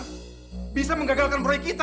kita bisa menggagalkan proyek kita